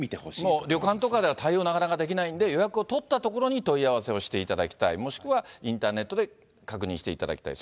もう旅館とかでは対応、なかなかできないので、予約を取ったところに問い合わせをしていただきたい、もしくはインターネットで確認していただきたい。